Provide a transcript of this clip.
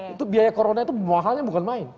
itu biaya corona itu mahalnya bukan main